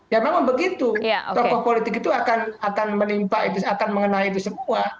ya memang begitu tokoh politik itu akan menimpa itu akan mengenai itu semua